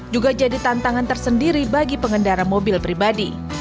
juga jadi tantangan tersendiri bagi pengendara mobil pribadi